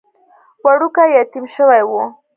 وړوکی يتيم شوی و.